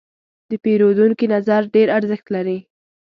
د پیرودونکي نظر ډېر ارزښت لري.